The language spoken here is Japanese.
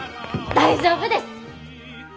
大丈夫です！